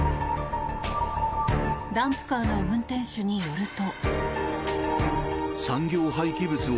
ダンプカーの運転手によると。